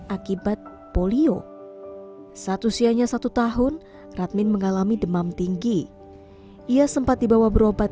akibat polio saat usianya satu tahun radmin mengalami demam tinggi ia sempat dibawa berobat